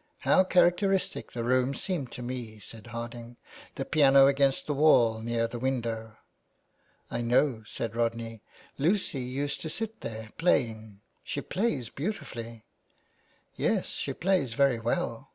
" How characteristic the room seemed to me," said Harding. "The piano against the wall near the window." " I know," said Rodney, " Lucy used to sit there playing. She plays beautifully." "Yes, she plays very well."